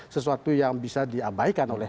sesuatu yang bisa diabaikan oleh